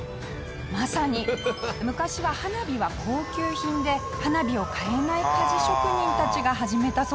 まさに昔は花火は高級品で花火を買えない鍛冶職人たちが始めたそうです。